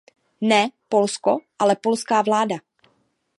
Ne Polsko, ale polská vláda.